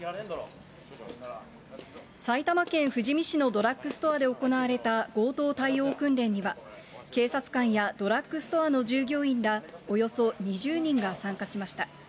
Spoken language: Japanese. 埼玉県富士見市のドラッグストアで行われた強盗対応訓練には、警察官やドラッグストアの従業員らおよそ２０人が参加しました。